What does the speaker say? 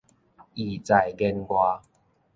意在言外